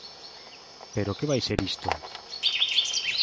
¡Pero que vai ser isto!